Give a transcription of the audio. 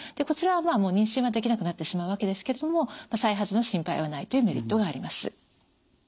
こちらは妊娠はできなくなってしまうわけですけれども再発の心配はないというメリットがあります。